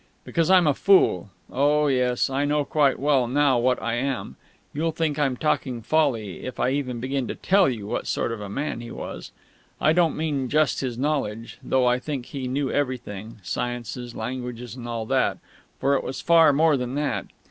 Because I'm a fool (oh, yes, I know quite well, now, what I am) you'll think I'm talking folly if I even begin to tell you what sort of a man he was. I don't mean just his knowledge (though I think he knew everything sciences, languages, and all that) for it was far more than that.